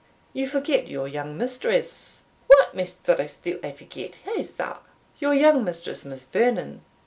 "You forget your young mistress." "What mistress do I forget? whae's that?" "Your young mistress, Miss Vernon."